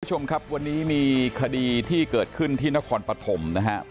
คุณผู้ชมครับวันนี้มีคดีที่เกิดขึ้นที่นครปฐมนะครับ